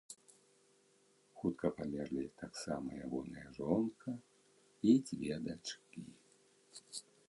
Хутка памерлі таксама ягоная жонка і дзве дачкі.